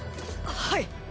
はい！